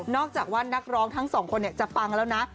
จากว่านักร้องทั้งสองคนจะปังแล้วนะ